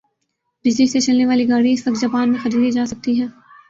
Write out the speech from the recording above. بجلی سے چلنے والی گاڑی اس وقت جاپان میں خریدی جاسکتی ھے